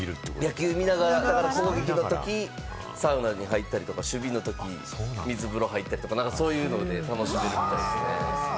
野球を見ながら、攻撃の時はサウナに入ったり、守備のとき水風呂に入ったり、そういうふうに楽しめるみたいですね。